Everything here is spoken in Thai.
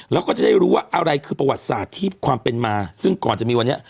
แล้วก็จะได้รู้ว่าอะไรคือประวัติศาสตร์ที่ความเป็นมาซึ่งก่อนจะมีวันนี้